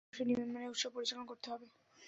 আমাদের অবশ্যই নিয়ম মেনে উৎসব পরিচালনা করতে হবে।